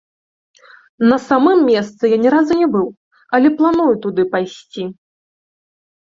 На самым месцы я ні разу не быў, але планую туды пайсці.